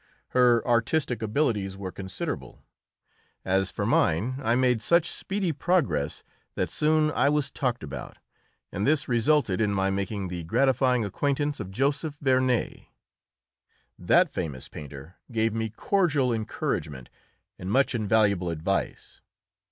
Her artistic abilities were considerable; as for mine, I made such speedy progress that I soon was talked about, and this resulted in my making the gratifying acquaintance of Joseph Vernet. That famous painter gave me cordial encouragement and much invaluable advice.